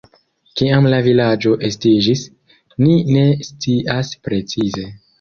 Kiam la vilaĝo estiĝis, ni ne scias precize.